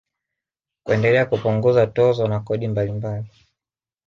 Kuendelea kupunguza tozo na kodi mbalimbali